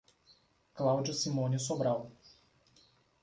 Cláudia Simone Sobral